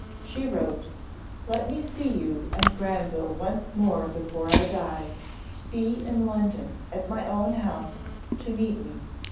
She wrote "Let me see you and Granville once more before I die. Be in London, at my own house, to meet me.